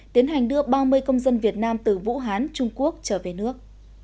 tiến hành đưa ba mươi công dân việt nam từ vũ hán trung quốc trở về nước